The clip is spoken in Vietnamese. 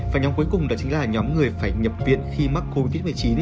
và nhóm cuối cùng đó chính là nhóm người phải nhập viện khi mắc covid một mươi chín